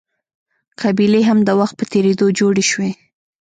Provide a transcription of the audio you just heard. قبیلې هم د وخت په تېرېدو جوړې شوې.